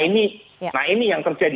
nah ini yang terjadi